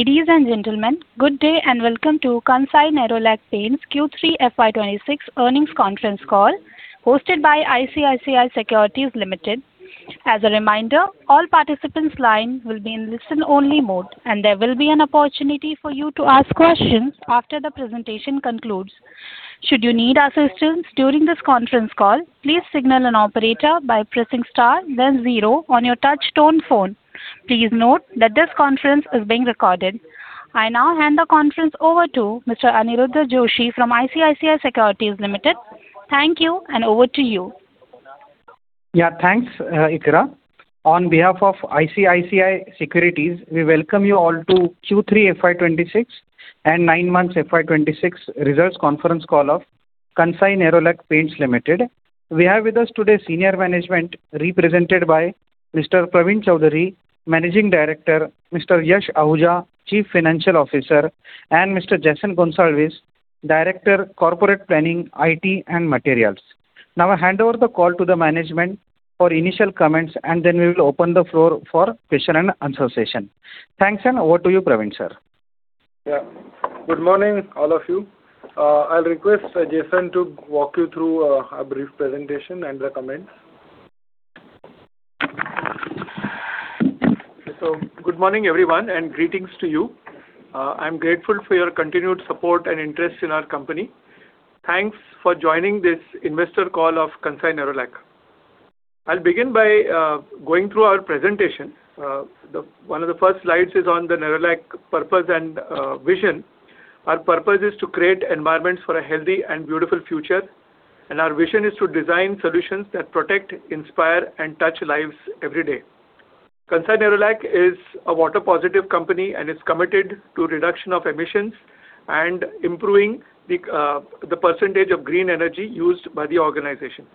Ladies and gentlemen, good day and welcome to Kansai Nerolac Paints Q3 FY 2026 earnings conference call hosted by ICICI Securities Limited. As a reminder, all participants' line will be in listen-only mode, and there will be an opportunity for you to ask questions after the presentation concludes. Should you need assistance during this conference call, please signal an operator by pressing star, then zero on your touch-tone phone. Please note that this conference is being recorded. I now hand the conference over to Mr. Aniruddha Joshi from ICICI Securities Limited. Thank you, and over to you. Yeah, thanks, Ikra. On behalf of ICICI Securities, we welcome you all to Q3 FY 2026 and nine months FY 2026 results conference call of Kansai Nerolac Paints Limited. We have with us today senior management represented by Mr. Pravin Chaudhari, Managing Director, Mr. Yash Ahuja, Chief Financial Officer, and Mr. Jason Gonsalves, Director, Corporate Planning, IT, and Materials. Now, I hand over the call to the management for initial comments, and then we will open the floor for question and answer session. Thanks, and over to you, Pravin sir. Yeah. Good morning, all of you. I'll request Jason to walk you through a brief presentation and the comments. So good morning, everyone, and greetings to you. I'm grateful for your continued support and interest in our company. Thanks for joining this investor call of Kansai Nerolac. I'll begin by going through our presentation. One of the first slides is on the Nerolac purpose and vision. Our purpose is to create environments for a healthy and beautiful future, and our vision is to design solutions that protect, inspire, and touch lives every day. Kansai Nerolac is a water-positive company, and it's committed to reduction of emissions and improving the percentage of green energy used by the organization.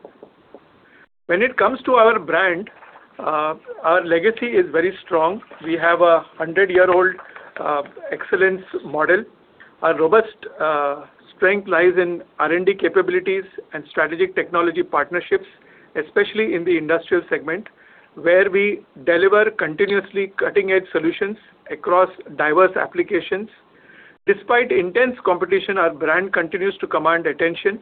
When it comes to our brand, our legacy is very strong. We have a 100-year-old excellence model. Our robust strength lies in R&D capabilities and strategic technology partnerships, especially in the industrial segment, where we deliver continuously cutting-edge solutions across diverse applications. Despite intense competition, our brand continues to command attention.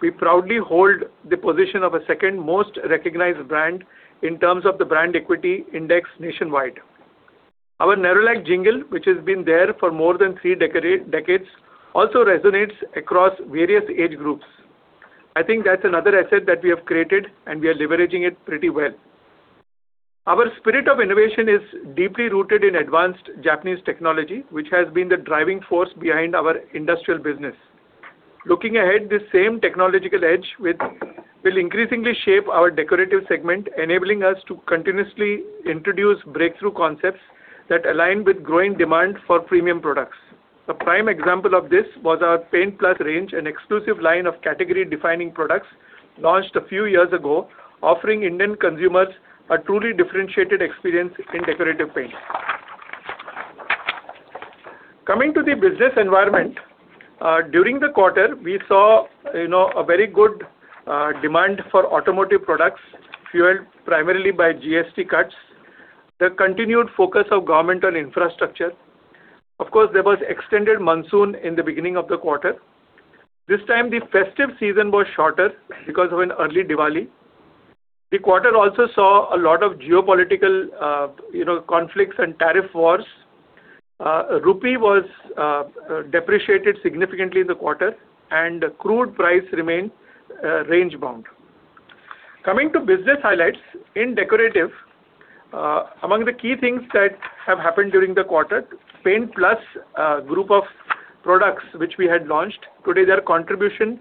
We proudly hold the position of a second-most recognized brand in terms of the brand equity index nationwide. Our Nerolac jingle, which has been there for more than three decades, also resonates across various age groups. I think that's another asset that we have created, and we are leveraging it pretty well. Our spirit of innovation is deeply rooted in advanced Japanese technology, which has been the driving force behind our industrial business. Looking ahead, this same technological edge will increasingly shape our decorative segment, enabling us to continuously introduce breakthrough concepts that align with growing demand for premium products. A prime example of this was our Paint+ range, an exclusive line of category-defining products launched a few years ago, offering Indian consumers a truly differentiated experience in decorative paints. Coming to the business environment, during the quarter, we saw a very good demand for automotive products, fueled primarily by GST cuts, the continued focus of government on infrastructure. Of course, there was extended monsoon in the beginning of the quarter. This time, the festive season was shorter because of an early Diwali. The quarter also saw a lot of geopolitical conflicts and tariff wars. Rupee was depreciated significantly in the quarter, and crude price remained range-bound. Coming to business highlights in decorative, among the key things that have happened during the quarter, Paint+ group of products which we had launched today, their contribution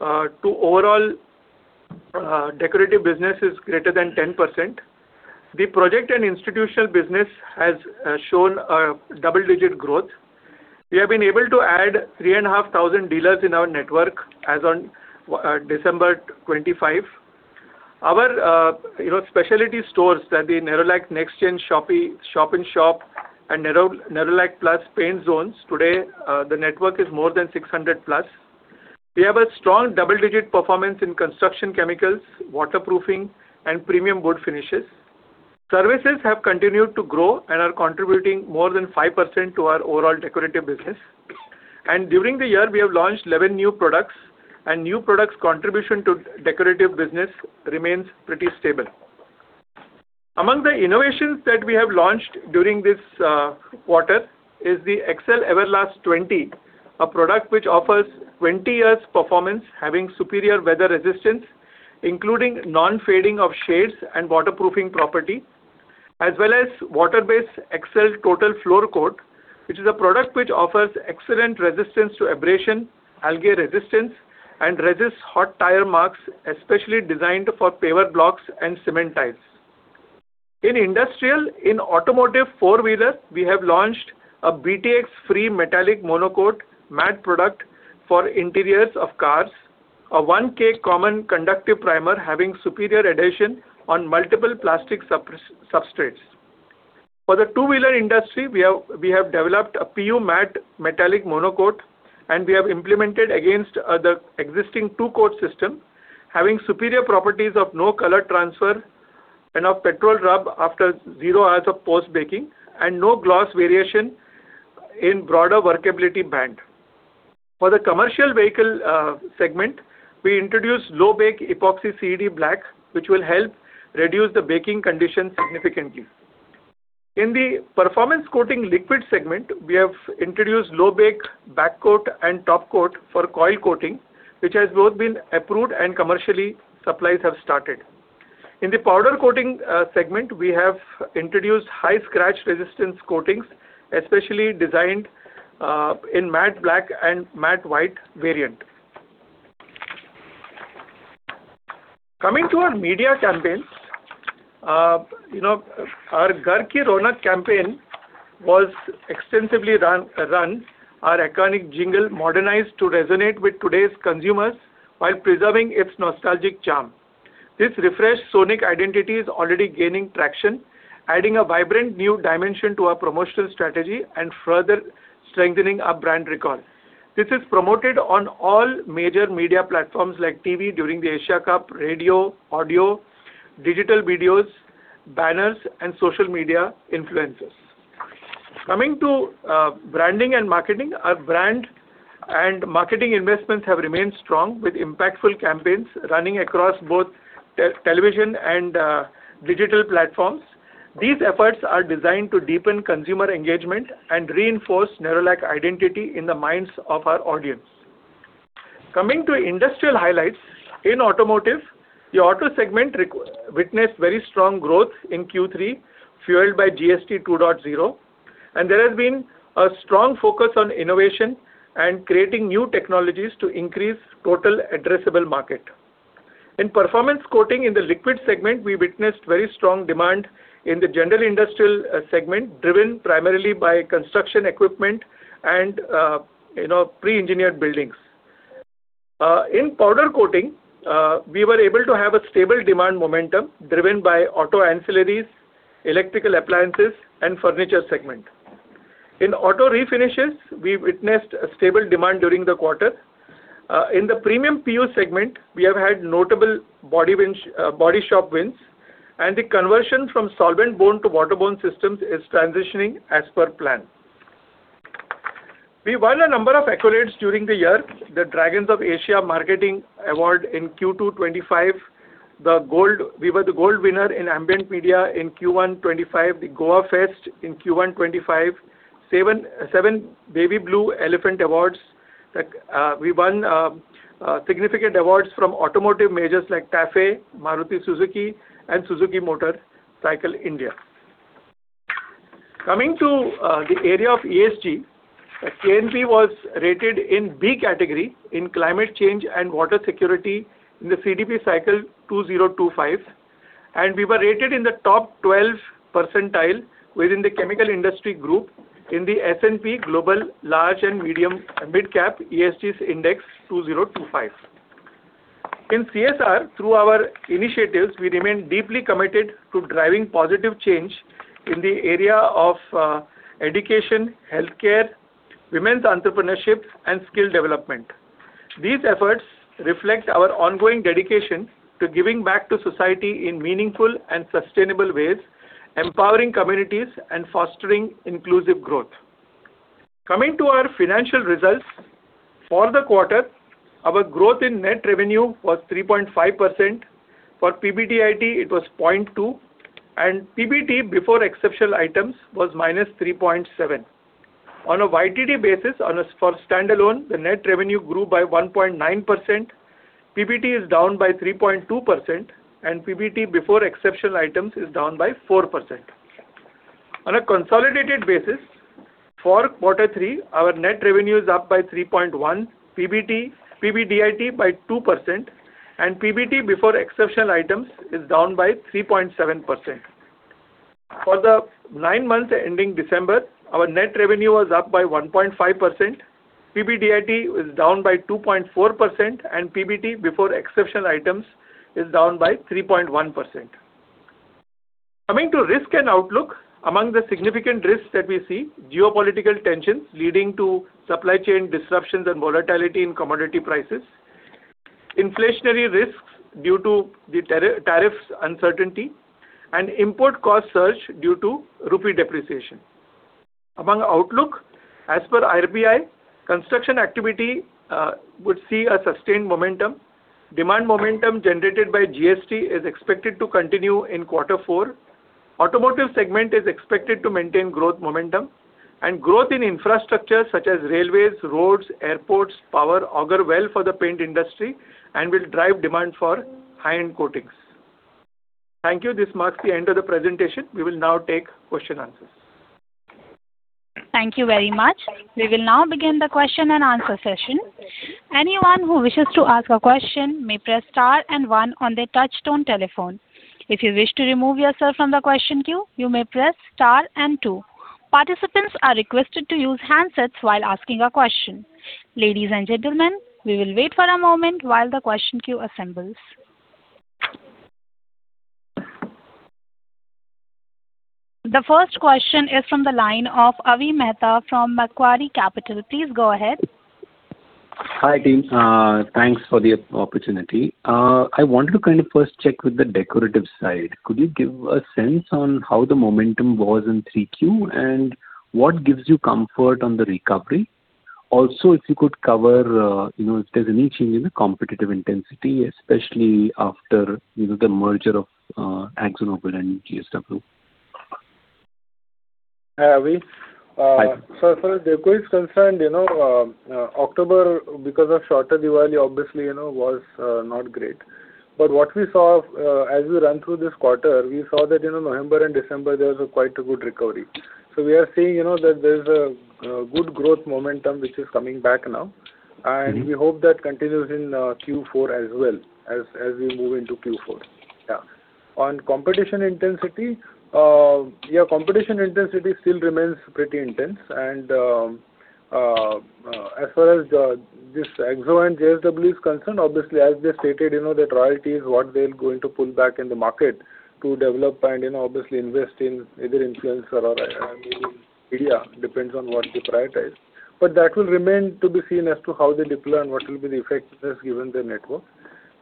to overall decorative business is greater than 10%. The project and institutional business has shown a double-digit growth. We have been able to add 3,500 dealers in our network as of December 25. Our specialty stores that the Nerolac NextGen Shop-in-Shop and Nerolac Plus Paint Zones today, the network is more than 600+. We have a strong double-digit performance in construction chemicals, waterproofing, and premium wood finishes. Services have continued to grow and are contributing more than 5% to our overall decorative business. During the year, we have launched 11 new products, and new products' contribution to decorative business remains pretty stable. Among the innovations that we have launched during this quarter is the Excel Everlast 20, a product which offers 20 years performance, having superior weather resistance, including non-fading of shades and waterproofing property, as well as water-based Excel Total Floor Coat, which is a product which offers excellent resistance to abrasion, algae resistance, and resists hot tire marks, especially designed for paver blocks and cement tiles. In industrial, in automotive four-wheelers, we have launched a BTX-free metallic monocoat matte product for interiors of cars, a 1K common conductive primer having superior adhesion on multiple plastic substrates. For the two-wheeler industry, we have developed a PU matte metallic monocoat, and we have implemented against the existing two-coat system, having superior properties of no color transfer and of petrol rub after zero hours of post-baking, and no gloss variation in broader workability band. For the commercial vehicle segment, we introduced low-bake epoxy CED black, which will help reduce the baking condition significantly. In the performance coating liquid segment, we have introduced low-bake backcoat and topcoat for coil coating, which have both been approved and commercial supplies have started. In the powder coating segment, we have introduced high-scratch resistance coatings, especially designed in matte black and matte white variant. Coming to our media campaigns, our Ghar Ki Ronak campaign was extensively run. Our iconic jingle modernized to resonate with today's consumers while preserving its nostalgic charm. This refreshed sonic identity is already gaining traction, adding a vibrant new dimension to our promotional strategy and further strengthening our brand recall. This is promoted on all major media platforms like TV during the Asia Cup, radio, audio, digital videos, banners, and social media influencers. Coming to branding and marketing, our brand and marketing investments have remained strong with impactful campaigns running across both television and digital platforms. These efforts are designed to deepen consumer engagement and reinforce Nerolac identity in the minds of our audience. Coming to industrial highlights, in automotive, the auto segment witnessed very strong growth in Q3 fueled by GST 2.0, and there has been a strong focus on innovation and creating new technologies to increase total addressable market. In performance coating in the liquid segment, we witnessed very strong demand in the general industrial segment, driven primarily by construction equipment and pre-engineered buildings. In powder coating, we were able to have a stable demand momentum driven by auto ancillaries, electrical appliances, and furniture segment. In auto refinishes, we witnessed a stable demand during the quarter. In the premium PU segment, we have had notable body shop wins, and the conversion from solvent-borne to waterborne systems is transitioning as per plan. We won a number of accolades during the year: the Dragons of Asia Marketing Award in Q2 2025, we were the gold winner in Ambient Media in Q1 2025, the Goafest in Q1 2025, Seven Baby Blue Elephant Awards. We won significant awards from automotive majors like TAFE, Maruti Suzuki, and Suzuki Motorcycle India. Coming to the area of ESG, KNP was rated in B category in climate change and water security in the CDP cycle 2025, and we were rated in the top 12 percentile within the chemical industry group in the S&P Global Large and Medium Midcap ESG Index 2025. In CSR, through our initiatives, we remain deeply committed to driving positive change in the area of education, healthcare, women's entrepreneurship, and skill development. These efforts reflect our ongoing dedication to giving back to society in meaningful and sustainable ways, empowering communities, and fostering inclusive growth. Coming to our financial results for the quarter, our growth in net revenue was +3.5%. For PBDIT, it was +0.2%, and PBT before exceptional items was -3.7%. On a YTD basis, for standalone, the net revenue grew by +1.9%. PBT is down by -3.2%, and PBT before exceptional items is down by -4%. On a consolidated basis, for quarter three, our net revenue is up by +3.1%, PBDIT by +2%, and PBT before exceptional items is down by -3.7%. For the nine months ending December, our net revenue was up by 1.5%, PBDIT is down by 2.4%, and PBT before exceptional items is down by 3.1%. Coming to risk and outlook, among the significant risks that we see are geopolitical tensions leading to supply chain disruptions and volatility in commodity prices, inflationary risks due to the tariffs uncertainty, and import cost surge due to rupee depreciation. Among outlook, as per RBI, construction activity would see a sustained momentum. Demand momentum generated by GST is expected to continue in quarter four. Automotive segment is expected to maintain growth momentum, and growth in infrastructure such as railways, roads, airports, power augur well for the paint industry and will drive demand for high-end coatings. Thank you. This marks the end of the presentation. We will now take questions and answers. Thank you very much. We will now begin the question and answer session. Anyone who wishes to ask a question may press star and one on their touch-tone telephone. If you wish to remove yourself from the question queue, you may press star and two. Participants are requested to use handsets while asking a question. Ladies and gentlemen, we will wait for a moment while the question queue assembles. The first question is from the line of Avi Mehta from Macquarie Capital. Please go ahead. Hi team. Thanks for the opportunity. I wanted to kind of first check with the decorative side. Could you give a sense on how the momentum was in 3Q and what gives you comfort on the recovery? Also, if you could cover if there's any change in the competitive intensity, especially after the merger of AkzoNobel and JSW. Hi Avi. Hi. So for the decorative concern, October because of shorter Diwali, obviously, was not great. But what we saw as we run through this quarter, we saw that in November and December, there was quite a good recovery. So we are seeing that there's a good growth momentum which is coming back now, and we hope that continues in Q4 as well as we move into Q4. Yeah. On competition intensity, yeah, competition intensity still remains pretty intense. And as far as this Akzo and JSW is concerned, obviously, as they stated, the royalties is what they're going to pull back in the market to develop and obviously invest in either influencer or maybe media. Depends on what they prioritize. But that will remain to be seen as to how they deploy and what will be the effectiveness given their network.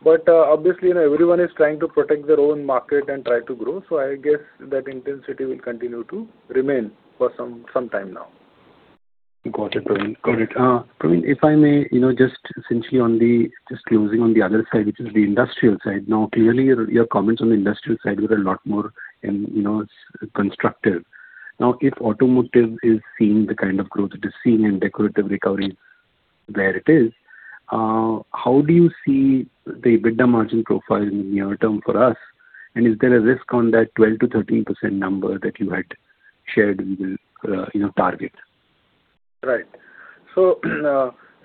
But obviously, everyone is trying to protect their own market and try to grow. So I guess that intensity will continue to remain for some time now. Got it, Pravin. Got it. Pravin, if I may just essentially on the just closing on the other side, which is the industrial side, now clearly your comments on the industrial side were a lot more constructive. Now, if automotive is seeing the kind of growth it is seeing and decorative recovery is where it is, how do you see the EBITDA-margin profile in the near term for us? And is there a risk on that 12%-13% number that you had shared we will target? Right. So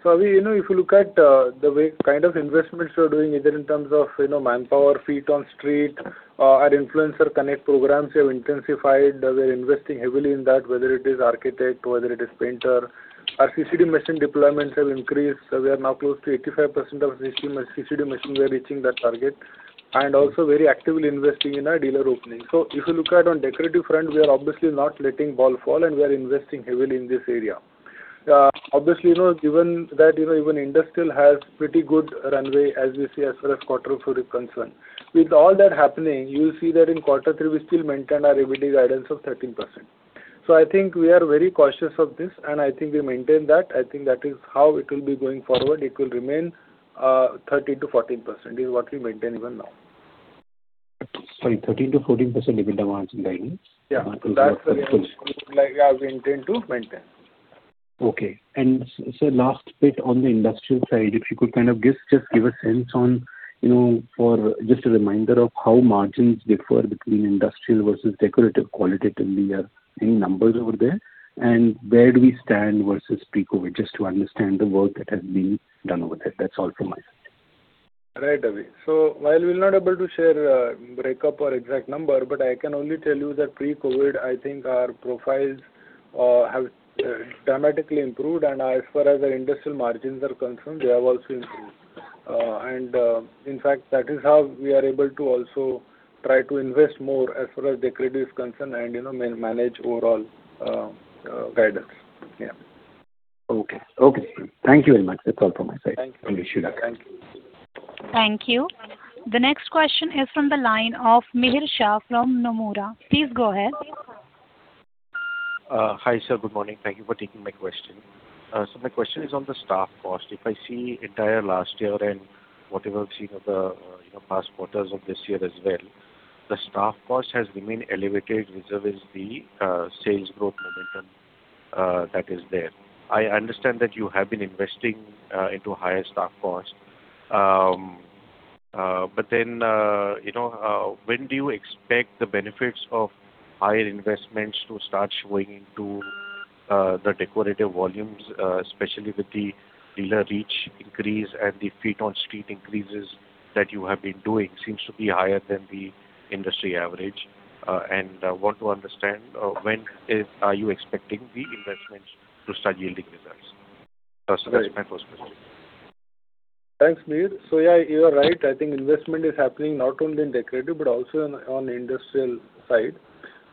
Avi, if you look at the way kind of investments you're doing either in terms of manpower, feet on street, our influencer connect programs have intensified. We're investing heavily in that, whether it is architect, whether it is painter. Our CCD machine deployments have increased. We are now close to 85% of CCD machine we're reaching that target and also very actively investing in our dealer opening. So if you look at on decorative front, we are obviously not letting the ball fall, and we are investing heavily in this area. Obviously, given that even industrial has pretty good runway as we see as far as quarter four is concerned. With all that happening, you'll see that in quarter three, we still maintain our EBITDA guidance of 13%. So I think we are very cautious of this, and I think we maintain that. I think that is how it will be going forward. It will remain 13%-14% is what we maintain even now. Sorry, 13%-14% EBITDA margin guidance? Yeah. That's what we would like to maintain. Okay. And sir, last bit on the industrial side, if you could kind of just give a sense on just a reminder of how margins differ between industrial versus decorative qualitatively, any numbers over there, and where do we stand versus pre-COVID just to understand the work that has been done over there. That's all from my side. Right, Avi. So while we're not able to share breakup or exact number, but I can only tell you that pre-COVID, I think our profiles have dramatically improved, and as far as our industrial margins are concerned, they have also improved. And in fact, that is how we are able to also try to invest more as far as decorative is concerned and manage overall guidance. Yeah. Okay. Okay. Thank you very much. That's all from my side. Thank you. You should have it. Thank you. Thank you. The next question is from the line of Mihir Shah from Nomura. Please go ahead. Hi, sir. Good morning. Thank you for taking my question. So my question is on the staff cost. If I see entire last year and whatever I've seen in the past quarters of this year as well, the staff cost has remained elevated, whichever is the sales growth momentum that is there. I understand that you have been investing into higher staff cost, but then when do you expect the benefits of higher investments to start showing into the decorative volumes, especially with the dealer reach increase and the feet-on-street increases that you have been doing seems to be higher than the industry average? And I want to understand when are you expecting the investments to start yielding results? So that's my first question. Thanks, Mihir. So yeah, you are right. I think investment is happening not only in decorative but also on the industrial side,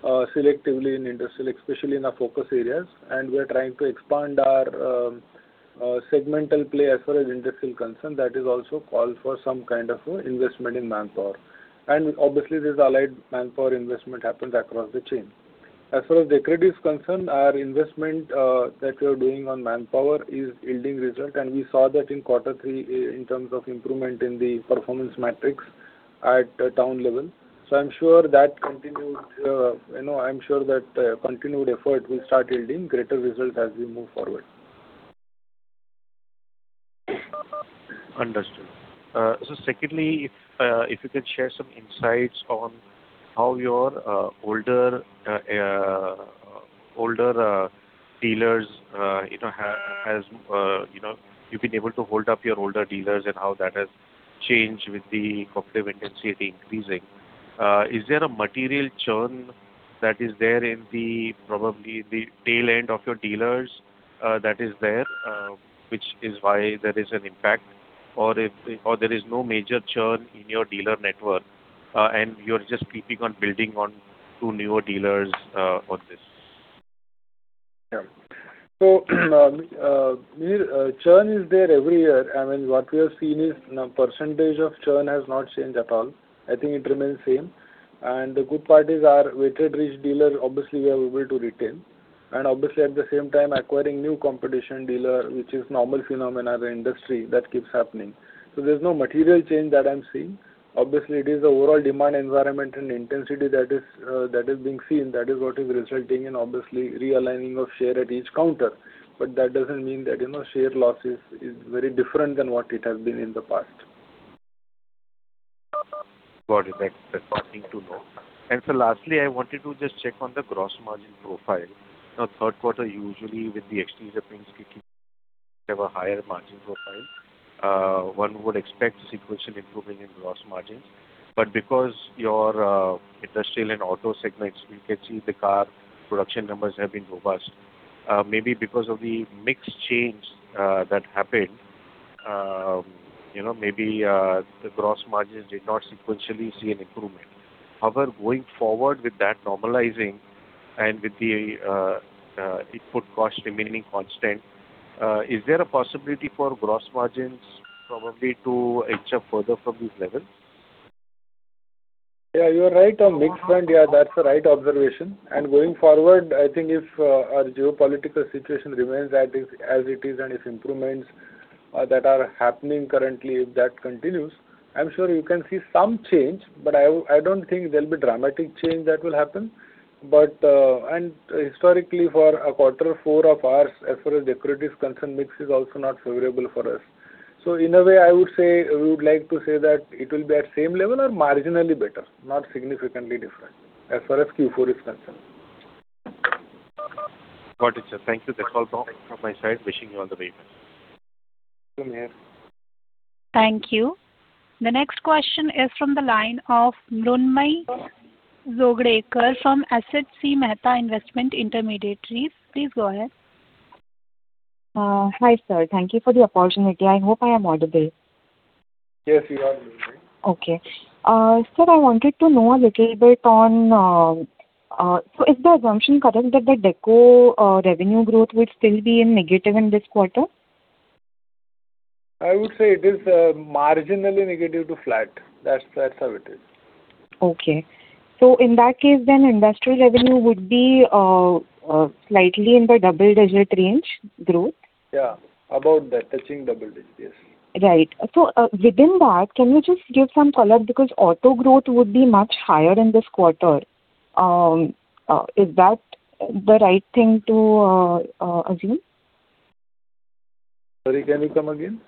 selectively in industrial, especially in our focus areas. And we are trying to expand our segmental play as far as industrial concerned. That is also called for some kind of investment in manpower. And obviously, this allied manpower investment happens across the chain. As far as decorative is concerned, our investment that we are doing on manpower is yielding results, and we saw that in quarter three in terms of improvement in the performance metrics at town level. So I'm sure that continued effort will start yielding greater results as we move forward. Understood. So secondly, if you could share some insights on how you've been able to hold up your older dealers and how that has changed with the competitive intensity increasing. Is there a material churn in probably the tail end of your dealers, which is why there is an impact, or there is no major churn in your dealer network and you're just keeping on building on newer dealers on this? Yeah. So, Mihir, churn is there every year. I mean, what we have seen is percentage of churn has not changed at all. I think it remains same. The good part is our weighted reach dealer. Obviously, we are able to retain. And obviously, at the same time, acquiring new competition dealer, which is normal phenomena in the industry, that keeps happening. So there's no material change that I'm seeing. Obviously, it is the overall demand environment and intensity that is being seen. That is what is resulting in, obviously, realigning of share at each counter. But that doesn't mean that share loss is very different than what it has been in the past. Got it. Thanks. Important to know. And so lastly, I wanted to just check on the gross margin profile. Now, third quarter, usually with the exterior paints kicking in, we have a higher margin profile. One would expect sequential improvement in gross margins. But because your industrial and auto segments, we can see the car production numbers have been robust. Maybe because of the mixed change that happened, maybe the gross margins did not sequentially see an improvement. However, going forward with that normalizing and with the input cost remaining constant, is there a possibility for gross margins probably to inch up further from these levels? Yeah, you are right on mix front. Yeah, that's the right observation. Going forward, I think if our geopolitical situation remains as it is and if improvements that are happening currently, if that continues, I'm sure you can see some change, but I don't think there'll be dramatic change that will happen. Historically, for quarter four of ours, as far as decorative is concerned, mix is also not favorable for us. So in a way, I would say we would like to say that it will be at same level or marginally better, not significantly different as far as Q4 is concerned. Got it, sir. Thank you. That's all from my side. Wishing you all the very best. You too, Mihir. Thank you. The next question is from the line of Mrunmayee Jogalekar from Asit C. Mehta Investment Intermediaries. Please go ahead. Hi sir. Thank you for the opportunity. I hope I am audible. Yes, you are audible, Mihir. Okay. Sir, I wanted to know a little bit on so is the assumption correct that the deco revenue growth would still be negative in this quarter? I would say it is marginally negative to flat. That's how it is. Okay. So in that case then, industrial revenue would be slightly in the double-digit range growth? Yeah, about that, touching double digit, yes. Right. So within that, can you just give some color because auto growth would be much higher in this quarter? Is that the right thing to assume? Sorry, can you come again?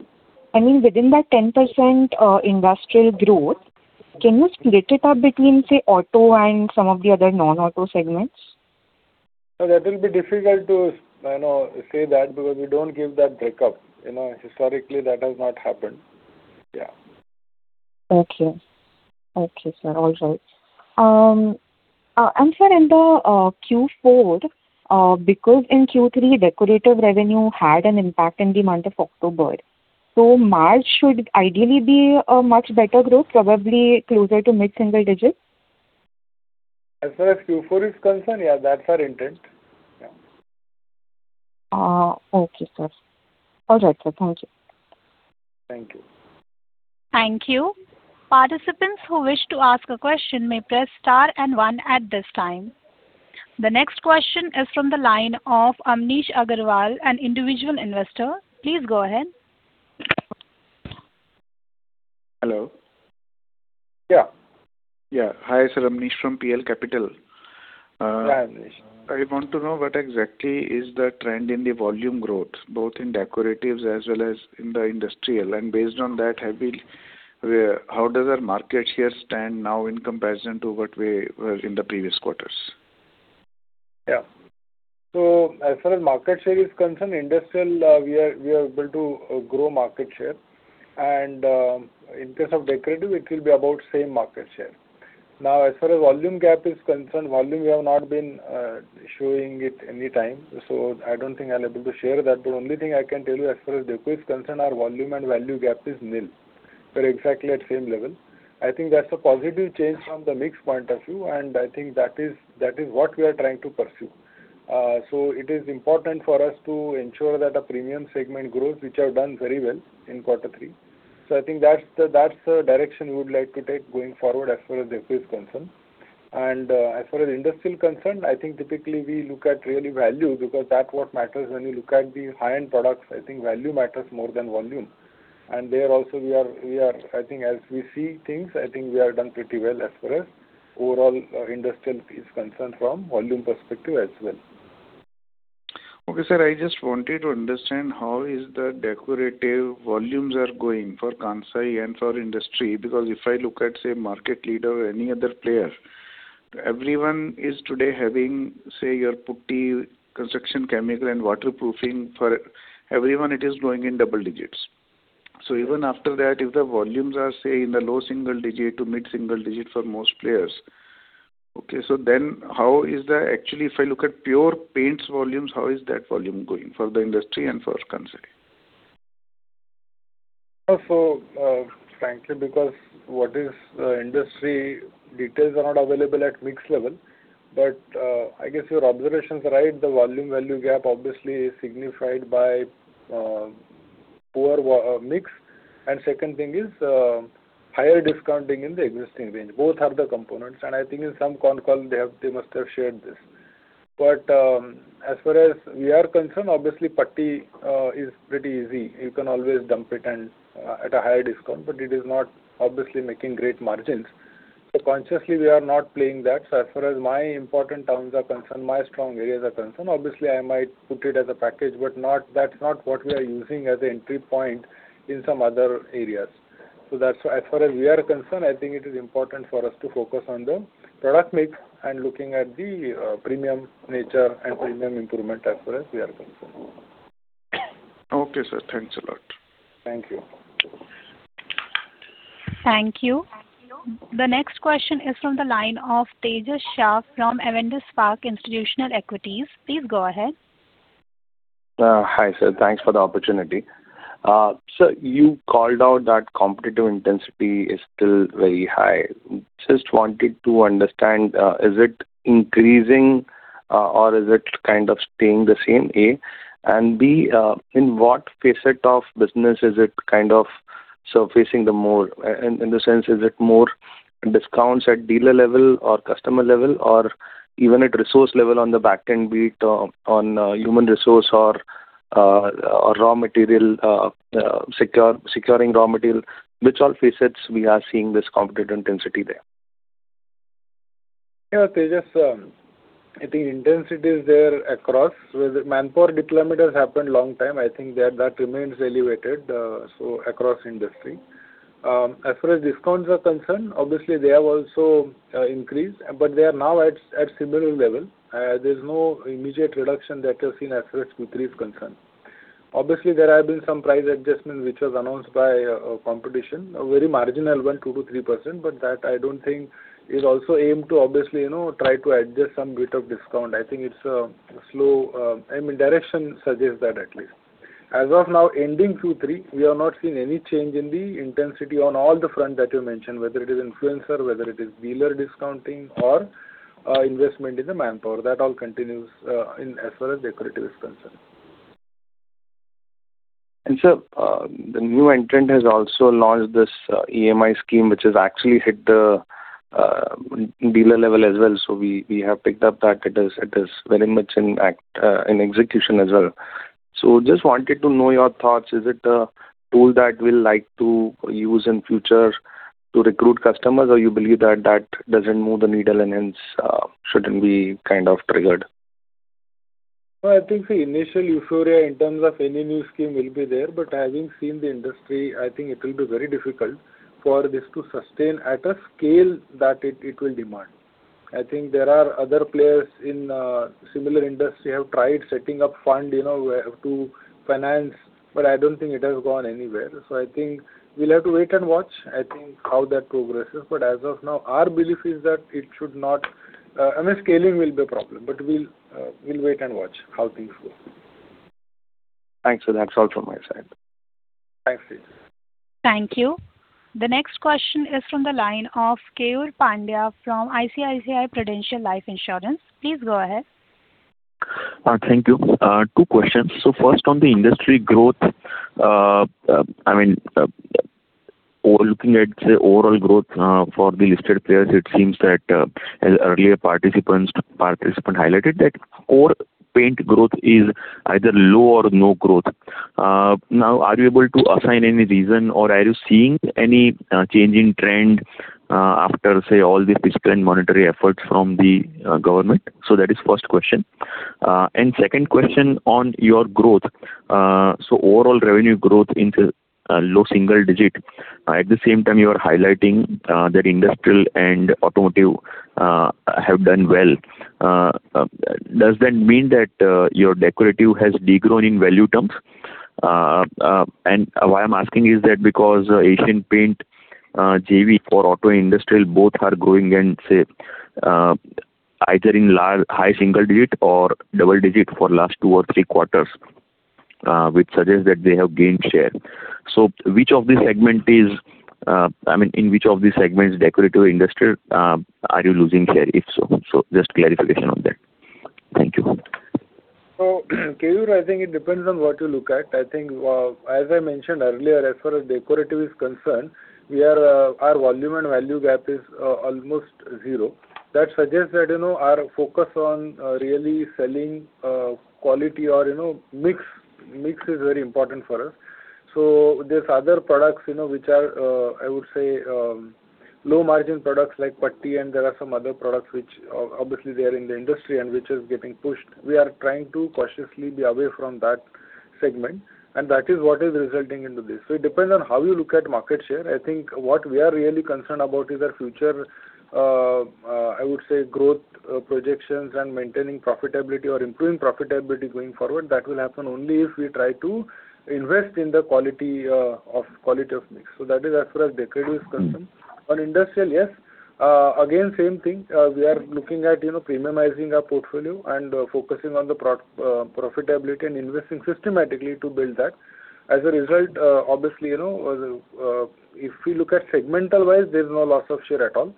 I mean, within that 10% industrial growth, can you split it up between, say, auto and some of the other non-auto segments? That will be difficult to say that because we don't give that breakup. Historically, that has not happened. Yeah. Okay. Okay, sir. All right. Sir, in the Q4, because in Q3, decorative revenue had an impact in the month of October, so March should ideally be a much better growth, probably closer to mid-single digit? As far as Q4 is concerned, yeah, that's our intent. Yeah. Okay, sir. All right, sir. Thank you. Thank you. Thank you. Participants who wish to ask a question may press star and one at this time. The next question is from the line of Amnish Aggarwal, an individual investor. Please go ahead. Hello? Yeah. Yeah. Hi sir, Amnish from PL Capital. I want to know what exactly is the trend in the volume growth, both in decoratives as well as in the industrial. And based on that, how does our market share stand now in comparison to what we were in the previous quarters? Yeah. So as far as market share is concerned, industrial, we are able to grow market share. And in case of decorative, it will be about same market share. Now, as far as volume gap is concerned, volume, we have not been showing it anytime. So I don't think I'll be able to share that. But only thing I can tell you as far as deco is concerned, our volume and value gap is nil, we're exactly at same level. I think that's a positive change from the mix point of view, and I think that is what we are trying to pursue. So it is important for us to ensure that a premium segment grows, which have done very well in quarter three. So I think that's the direction we would like to take going forward as far as deco is concerned. And as far as industrial concerned, I think typically we look at really value because that's what matters when you look at the high-end products. I think value matters more than volume. And there also, we are I think as we see things, I think we are done pretty well as far as overall industrial is concerned from volume perspective as well. Okay, sir. I just wanted to understand how is the decorative volumes are going for Kansai and for industry because if I look at, say, market leader or any other player, everyone is today having, say, your putty, construction chemical, and waterproofing. For everyone, it is going in double digits. So even after that, if the volumes are, say, in the low single digit to mid-single digit for most players, okay, so then how is the actually, if I look at pure paints volumes, how is that volume going for the industry and for Kansai? So frankly, because what is industry details are not available at mix level. But I guess your observation is right. The volume value gap, obviously, is signified by poor mix. And second thing is higher discounting in the existing range. Both are the components. And I think in some concern, they must have shared this. But as far as we are concerned, obviously, putty is pretty easy. You can always dump it at a higher discount, but it is not obviously making great margins. So consciously, we are not playing that. So as far as my important towns are concerned, my strong areas are concerned, obviously, I might put it as a package, but that's not what we are using as an entry point in some other areas. As far as we are concerned, I think it is important for us to focus on the product mix and looking at the premium nature and premium improvement as far as we are concerned. Okay, sir. Thanks a lot. Thank you. Thank you. The next question is from the line of Tejas Shah from Avendus Spark Institutional Equities. Please go ahead. Hi sir. Thanks for the opportunity. Sir, you called out that competitive intensity is still very high. Just wanted to understand, is it increasing or is it kind of staying the same, A? And B, in what facet of business is it kind of surfacing the more in the sense, is it more discounts at dealer level or customer level or even at resource level on the backend beat, on human resource or raw material, securing raw material? Which all facets we are seeing this competitive intensity there? Yeah, Tejas, I think intensity is there across where the manpower decline has happened a long time. I think that remains elevated across industry. As far as discounts are concerned, obviously, they have also increased, but they are now at similar level. There's no immediate reduction that you have seen as far as Q3 is concerned. Obviously, there have been some price adjustments which were announced by competition, a very marginal one, 2%-3%, but that I don't think is also aimed to obviously try to adjust some bit of discount. I think it's a slow I mean, direction suggests that at least. As of now, ending Q3, we have not seen any change in the intensity on all the front that you mentioned, whether it is influencer, whether it is dealer discounting, or investment in the manpower. That all continues as far as decorative is concerned. Sir, the new entrant has also launched this EMI scheme, which has actually hit the dealer level as well. So we have picked up that. It is very much in execution as well. So just wanted to know your thoughts. Is it a tool that we'll like to use in future to recruit customers, or you believe that that doesn't move the needle and hence shouldn't be kind of triggered? Well, I think the initial euphoria in terms of any new scheme will be there. But having seen the industry, I think it will be very difficult for this to sustain at a scale that it will demand. I think there are other players in similar industry who have tried setting up fund to finance, but I don't think it has gone anywhere. So I think we'll have to wait and watch, I think, how that progresses. But as of now, our belief is that it should not I mean, scaling will be a problem, but we'll wait and watch how things go. Thanks, sir. That's all from my side. Thanks, Tejas. Thank you. The next question is from the line of Keyur Pandya from ICICI Prudential Life Insurance. Please go ahead. Thank you. Two questions. So first, on the industry growth, I mean, looking at, say, overall growth for the listed players, it seems that as earlier participants highlighted, that core paint growth is either low or no growth. Now, are you able to assign any reason, or are you seeing any changing trend after, say, all the fiscal and monetary efforts from the government? So that is the first question. And second question, on your growth, so overall revenue growth in low single digit, at the same time, you are highlighting that industrial and automotive have done well. Does that mean that your decorative has degrown in value terms? And why I'm asking is that because Asian Paints JV. For auto and industrial, both are growing and, say, either in high single digit or double digit for the last two or three quarters, which suggests that they have gained share. So which of these segments is, I mean, in which of these segments, decorative industry, are you losing share if so? So just clarification on that. Thank you. So Keyur, I think it depends on what you look at. I think, as I mentioned earlier, as far as decorative is concerned, our volume and value gap is almost zero. That suggests that our focus on really selling quality or mix is very important for us. So there's other products which are, I would say, low-margin products like putty, and there are some other products which obviously, they are in the industry and which are getting pushed. We are trying to cautiously be away from that segment, and that is what is resulting into this. So it depends on how you look at market share. I think what we are really concerned about is our future, I would say, growth projections and maintaining profitability or improving profitability going forward. That will happen only if we try to invest in the quality of mix. That is as far as decorative is concerned. On industrial, yes. Again, same thing. We are looking at premiumizing our portfolio and focusing on the profitability and investing systematically to build that. As a result, obviously, if we look at segmental-wise, there's no loss of share at all.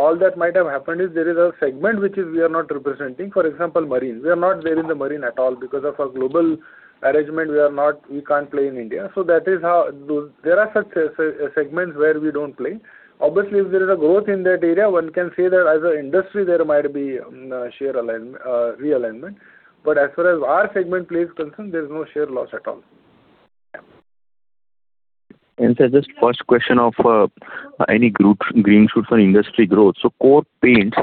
All that might have happened is there is a segment which we are not representing. For example, marine. We are not there in the marine at all because of our global arrangement. We can't play in India. So that is how there are such segments where we don't play. Obviously, if there is a growth in that area, one can say that as an industry, there might be share realignment. As far as our segment plays concerned, there's no share loss at all. And, sir, just first question of any green shoots on industry growth. So core paints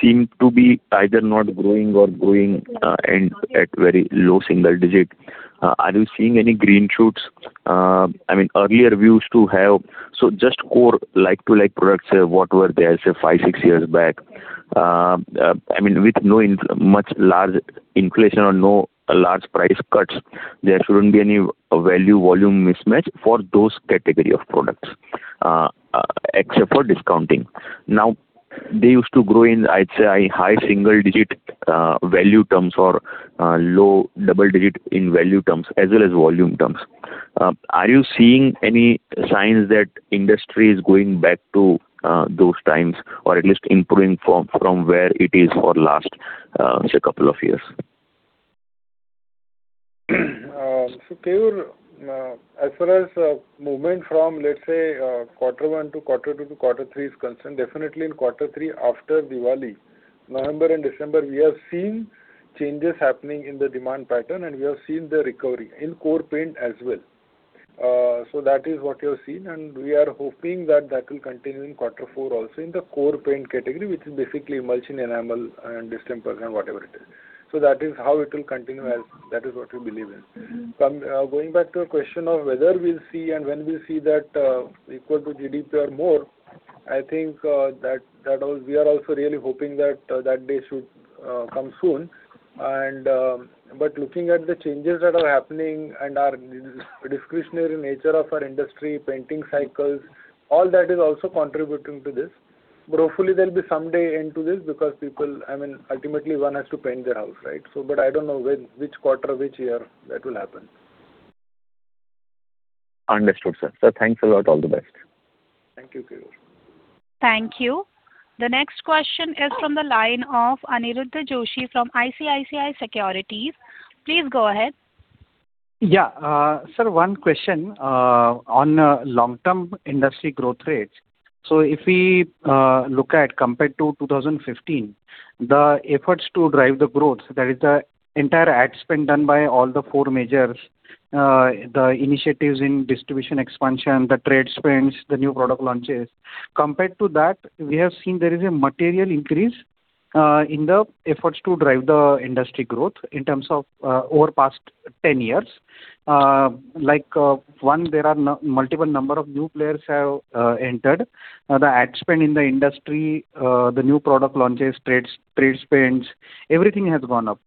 seem to be either not growing or growing at very low single-digit. Are you seeing any green shoots? I mean, earlier we used to have so just core like-for-like products, what were there, say, five year, six years back? I mean, with no much large inflation or no large price cuts, there shouldn't be any value-volume mismatch for those category of products except for discounting. Now, they used to grow in, I'd say, high single-digit value terms or low double-digit in value terms as well as volume terms. Are you seeing any signs that industry is going back to those times or at least improving from where it is for the last, say, couple of years? So Keyur, as far as movement from, let's say, quarter one to quarter two to quarter three is concerned, definitely in quarter three, after Diwali, November and December, we have seen changes happening in the demand pattern, and we have seen the recovery in core paint as well. So that is what you have seen, and we are hoping that that will continue in quarter four also in the core paint category, which is basically emulsion, enamel, and distemper, and whatever it is. So that is how it will continue. That is what we believe in. Going back to your question of whether we'll see and when we'll see that equal to GDP or more, I think that we are also really hoping that day should come soon. But looking at the changes that are happening and our discretionary nature of our industry, painting cycles, all that is also contributing to this. But hopefully, there'll be some day into this because people I mean, ultimately, one has to paint their house, right? But I don't know which quarter, which year that will happen. Understood, sir. So thanks a lot. All the best. Thank you, Keyur. Thank you. The next question is from the line of Aniruddha Joshi from ICICI Securities. Please go ahead. Yeah. Sir, one question on long-term industry growth rates. So if we look at compared to 2015, the efforts to drive the growth, that is, the entire ad spend done by all the four majors, the initiatives in distribution expansion, the trade spends, the new product launches, compared to that, we have seen there is a material increase in the efforts to drive the industry growth in terms of over the past 10 years. One, there are multiple numbers of new players who have entered. The ad spend in the industry, the new product launches, trade spends, everything has gone up.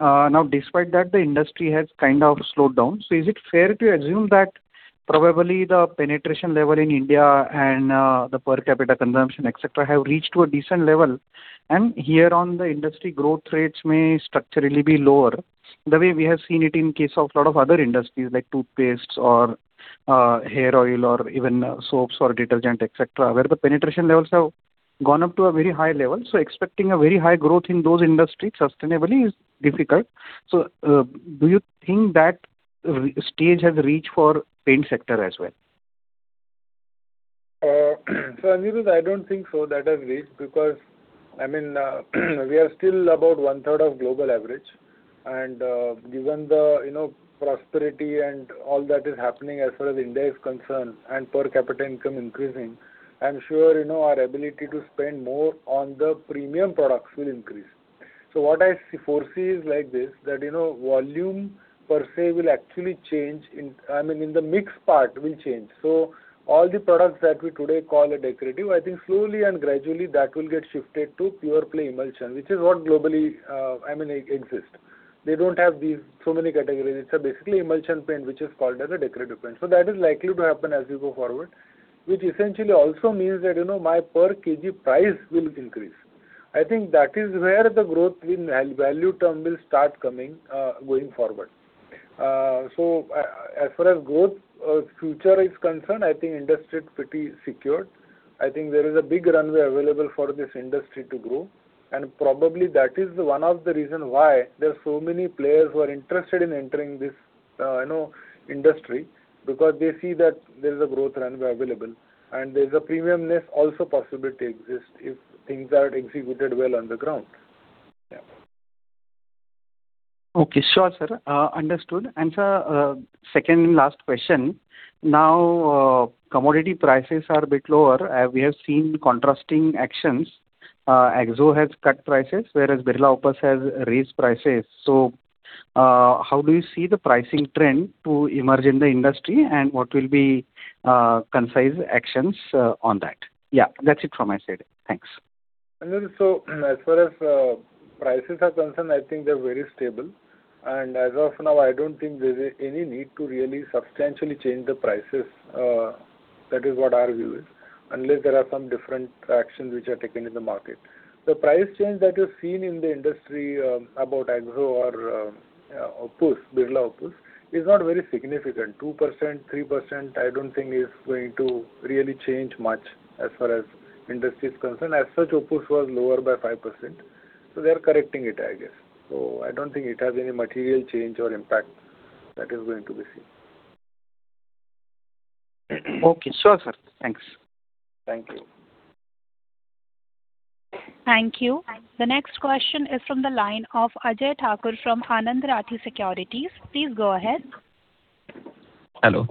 Now, despite that, the industry has kind of slowed down. So is it fair to assume that probably the penetration level in India and the per capita consumption, etc., have reached a decent level, and here on the industry growth rates may structurally be lower the way we have seen it in the case of a lot of other industries like toothpastes or hair oil or even soaps or detergent, etc., where the penetration levels have gone up to a very high level? So expecting a very high growth in those industries sustainably is difficult. So do you think that stage has reached for the paint sector as well? So Aniruddha, I don't think so that has reached because I mean, we are still about one-third of global average. And given the prosperity and all that is happening as far as index concerns and per capita income increasing, I'm sure our ability to spend more on the premium products will increase. So what I foresee is like this, that volume per se will actually change in I mean, in the mixed part will change. So all the products that we today call decorative, I think slowly and gradually, that will get shifted to pure play emulsion, which is what globally I mean, exists. They don't have so many categories. It's basically emulsion paint, which is called as a decorative paint. So that is likely to happen as we go forward, which essentially also means that my per kg price will increase. I think that is where the growth in value term will start going forward. So as far as growth future is concerned, I think industry is pretty secured. I think there is a big runway available for this industry to grow. Probably that is one of the reasons why there are so many players who are interested in entering this industry because they see that there is a growth runway available, and there is a premiumness also possibility exists if things are executed well on the ground. Yeah. Okay. Sure, sir. Understood. And sir, second and last question. Now, commodity prices are a bit lower. We have seen contrasting actions. Axo has cut prices, whereas Birla Opus has raised prices. So how do you see the pricing trend to emerge in the industry, and what will be concise actions on that? Yeah, that's it from my side. Thanks. Aniruddha, so as far as prices are concerned, I think they're very stable. And as of now, I don't think there's any need to really substantially change the prices. That is what our view is, unless there are some different actions which are taken in the market. The price change that you've seen in the industry about Axo or Opus, Birla Opus, is not very significant. 2%, 3%, I don't think is going to really change much as far as industry is concerned. As such, Opus was lower by 5%. So they are correcting it, I guess. So I don't think it has any material change or impact that is going to be seen. Okay. Sure, sir. Thanks. Thank you. Thank you. The next question is from the line of Ajay Thakur from Anand Rathi Securities. Please go ahead. Hello.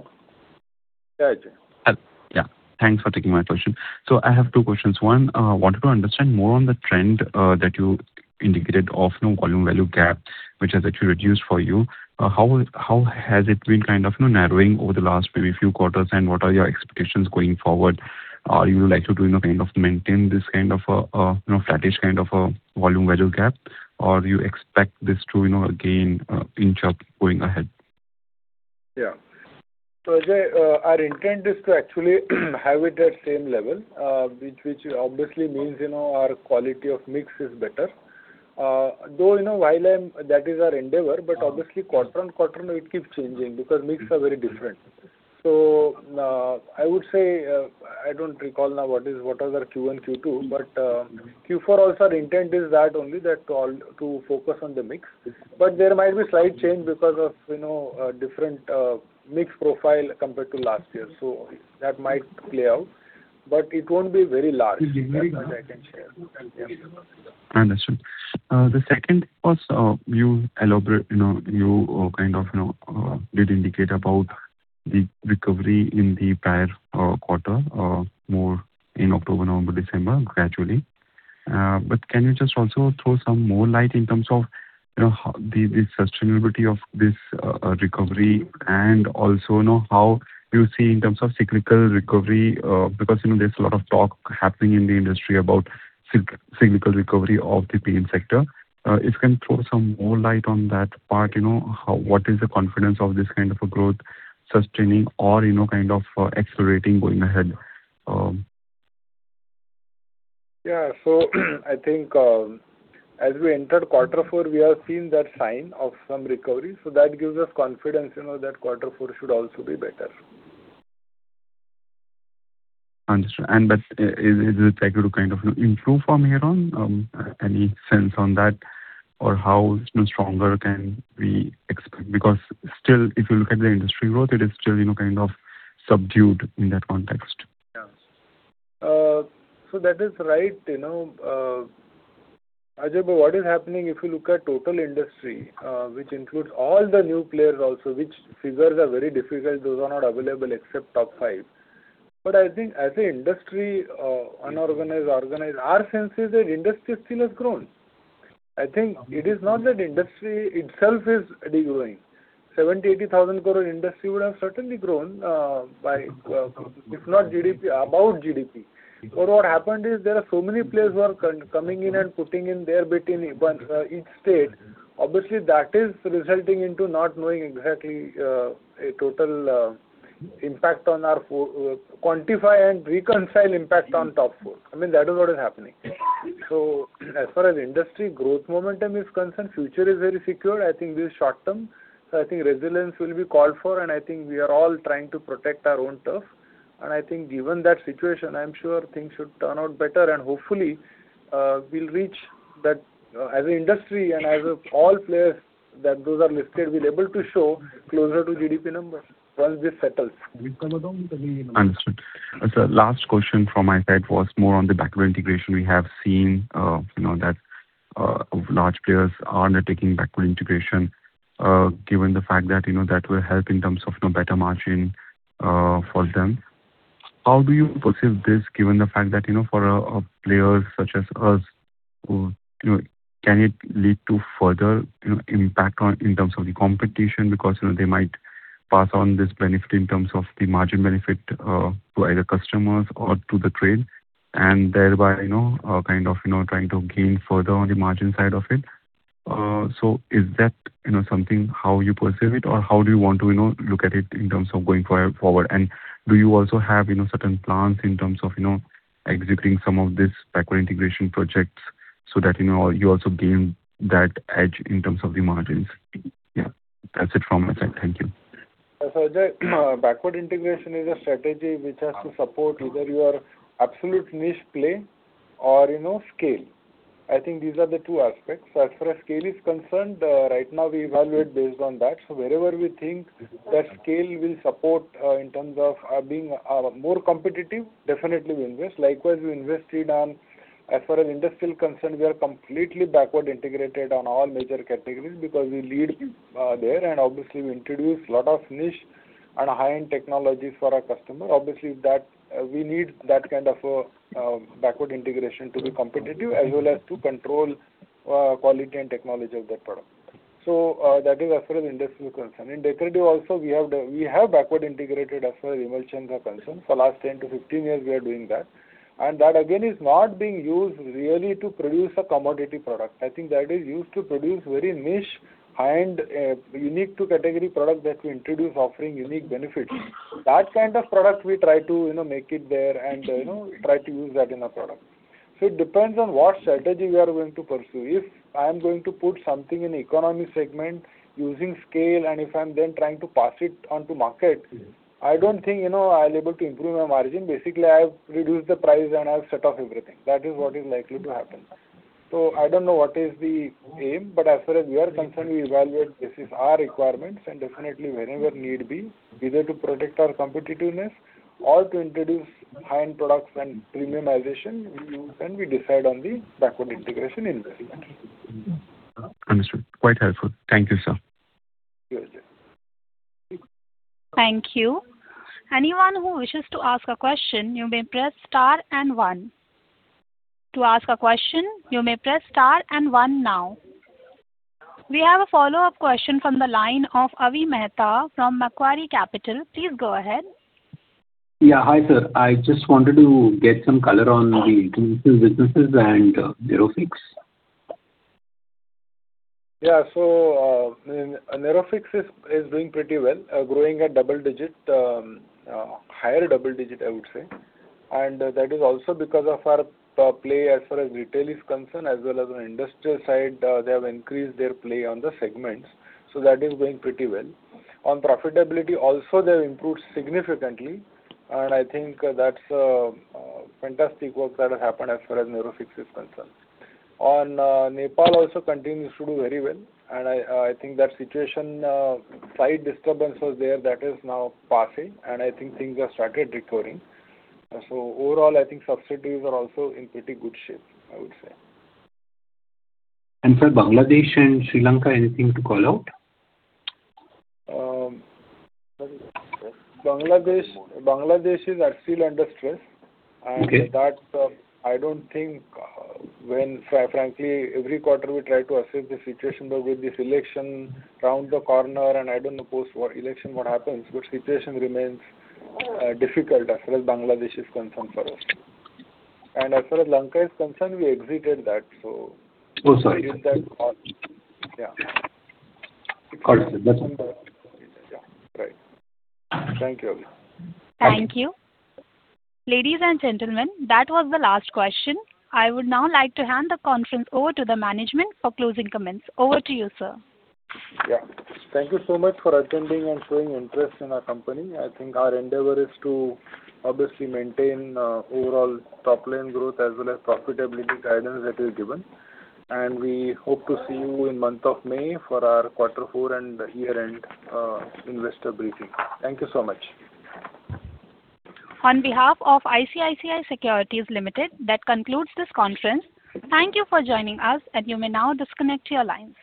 Hi, Ajay. Yeah. Thanks for taking my question. So I have two questions. One, I wanted to understand more on the trend that you indicated of volume-value gap, which has actually reduced for you. How has it been kind of narrowing over the last maybe few quarters, and what are your expectations going forward? Are you likely to kind of maintain this kind of flattened kind of volume-value gap, or do you expect this to gain inch up going ahead? Yeah. So Ajay, our intent is to actually have it at the same level, which obviously means our quality of mix is better. Though while that is our endeavor, but obviously, quarter-on-quarter, it keeps changing because mix are very different. So I would say I don't recall now what are the Q1, Q2, but Q4 also, our intent is that only, to focus on the mix. But there might be slight change because of different mix profile compared to last year. So that might play out, but it won't be very large, as much as I can share. Yeah. Understood. The second was you kind of did indicate about the recovery in the prior quarter, more in October, November, December, gradually. But can you just also throw some more light in terms of the sustainability of this recovery and also how you see in terms of cyclical recovery? Because there's a lot of talk happening in the industry about cyclical recovery of the paint sector. If you can throw some more light on that part, what is the confidence of this kind of growth sustaining or kind of accelerating going ahead? Yeah. So I think as we entered quarter four, we have seen that sign of some recovery. So that gives us confidence that quarter four should also be better. Understood. Is it likely to kind of improve from here on? Any sense on that or how stronger can we expect? Because still, if you look at the industry growth, it is still kind of subdued in that context. Yeah. So that is right. Ajay, but what is happening if you look at total industry, which includes all the new players also, which figures are very difficult. Those are not available except top five. But I think as an industry, unorganized, organized, our sense is that industry still has grown. I think it is not that industry itself is degrowing. 70,000 crore-80,000 crore industry would have certainly grown if not GDP, about GDP. But what happened is there are so many players who are coming in and putting in their bit in each state. Obviously, that is resulting into not knowing exactly a total impact on our quantify and reconcile impact on top four. I mean, that is what is happening. So as far as industry growth momentum is concerned, future is very secure. I think this is short term. So I think resilience will be called for, and I think we are all trying to protect our own turf. I think given that situation, I'm sure things should turn out better. Hopefully, we'll reach that as an industry and as all players that are listed, we'll be able to show closer to GDP numbers once this settles. We covered all the numbers. Understood. Sir, last question from my side was more on the backward integration. We have seen that large players are undertaking backward integration given the fact that that will help in terms of better margin for them. How do you perceive this given the fact that for players such as us, can it lead to further impact in terms of the competition because they might pass on this benefit in terms of the margin benefit to either customers or to the trade and thereby kind of trying to gain further on the margin side of it? So is that something how you perceive it, or how do you want to look at it in terms of going forward? Do you also have certain plans in terms of executing some of these backward integration projects so that you also gain that edge in terms of the margins? Yeah. That's it from my side. Thank you. So Ajay, backward integration is a strategy which has to support either your absolute niche play or scale. I think these are the two aspects. So as far as scale is concerned, right now, we evaluate based on that. So wherever we think that scale will support in terms of being more competitive, definitely, we invest. Likewise, we invested on as far as industry is concerned, we are completely backward integrated on all major categories because we lead there. And obviously, we introduce a lot of niche and high-end technologies for our customer. Obviously, we need that kind of backward integration to be competitive as well as to control quality and technology of that product. So that is as far as industry is concerned. In decorative also, we have backward integrated as far as emulsions are concerned. For the last 10 years-15 years, we are doing that. And that, again, is not being used really to produce a commodity product. I think that is used to produce very niche, high-end, unique-to-category product that we introduce offering unique benefits. That kind of product, we try to make it there and try to use that in our product. So it depends on what strategy we are going to pursue. If I am going to put something in the economy segment using scale, and if I'm then trying to pass it onto market, I don't think I'll be able to improve my margin. Basically, I've reduced the price, and I've set off everything. That is what is likely to happen. So I don't know what is the aim. But as far as we are concerned, we evaluate this as our requirements. Definitely, wherever need be, either to protect our competitiveness or to introduce high-end products and premiumization, we use and we decide on the backward integration investment. Understood. Quite helpful. Thank you, sir. Thank you. Thank you. Anyone who wishes to ask a question, you may press star and one. To ask a question, you may press star and one now. We have a follow-up question from the line of Avi Mehta from Macquarie Capital. Please go ahead. Yeah. Hi, sir. I just wanted to get some color on the intermittent businesses and Nerofix. Yeah. So Nerofix is doing pretty well, growing at double-digit, higher double-digit, I would say. And that is also because of our play as far as retail is concerned as well as on the industrial side. They have increased their play on the segments. So that is going pretty well. On profitability also, they have improved significantly. And I think that's fantastic work that has happened as far as Nerofix is concerned. On Nepal, also continues to do very well. And I think that situation, slight disturbance was there. That is now passing. And I think things have started recovering. So overall, I think subsidiaries are also in pretty good shape, I would say. For Bangladesh and Sri Lanka, anything to call out? Bangladesh is still under stress. I don't think when frankly, every quarter, we try to assess the situation with this election around the corner. I don't know post-election what happens, but situation remains difficult as far as Bangladesh is concerned for us. As far as Sri Lanka is concerned, we exited that. So. Oh, sorry. Yeah. Got it, sir. That's all. Yeah. Right. Thank you, Avi. Thank you. Ladies and gentlemen, that was the last question. I would now like to hand the conference over to the management for closing comments. Over to you, sir. Yeah. Thank you so much for attending and showing interest in our company. I think our endeavor is to obviously maintain overall top-line growth as well as profitability guidance that is given. And we hope to see you in the month of May for our quarter four and year-end investor briefing. Thank you so much. On behalf of ICICI Securities Limited, that concludes this conference. Thank you for joining us, and you may now disconnect your lines.